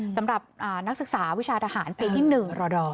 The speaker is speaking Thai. สำหรับนักศึกษาวิชาทหารปีที่๑รอด